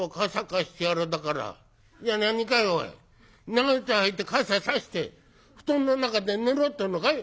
長靴履いて傘差して布団の中で寝ろってえのかい？」。